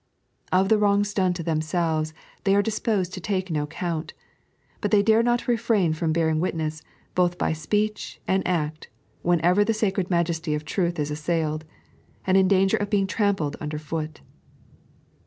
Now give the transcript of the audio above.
Of the wrongs done to themselves, they are disposed to take no count ; but they dare not refrain from bearing witness, both by speech and act, whenever the sacred majesty of truth is assailed, and in danger of being trampled under foot.